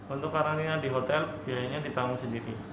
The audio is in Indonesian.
untuk karantina di hotel biayanya ditanggung sendiri